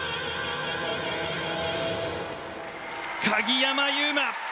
鍵山優真